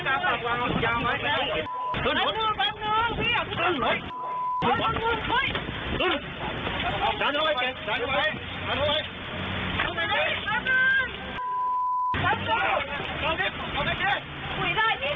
นั่นไงนั่นไง